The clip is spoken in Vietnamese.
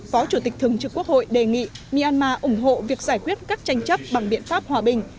phó chủ tịch thường trực quốc hội đề nghị myanmar ủng hộ việc giải quyết các tranh chấp bằng biện pháp hòa bình